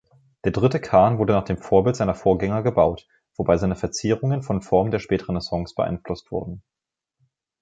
Der dritte Kahn wurde nach dem Vorbild seiner Vorgänger gebaut, wobei seine Verzierungen von Formen der Spätrenaissance beeinflusst wurden.